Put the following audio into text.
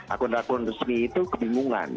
akun akun resmi itu kebingungan